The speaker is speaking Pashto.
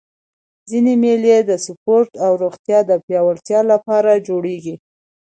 ځيني مېلې د سپورټ او روغتیا د پیاوړتیا له پاره جوړېږي.